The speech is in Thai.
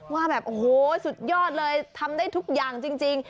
ว่าแบบโอ้โหสุดยอดเลยทำได้ทุกอย่างจริง